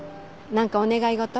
何かお願い事？